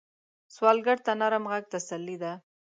سوالګر ته نرم غږ تسلي ده